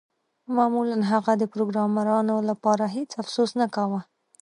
معمولاً هغه د پروګرامرانو لپاره هیڅ افسوس نه کاوه